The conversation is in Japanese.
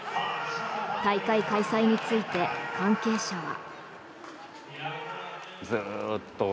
大会開催について関係者は。